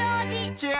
チェア！